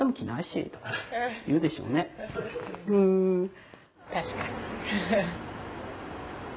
うん確かに。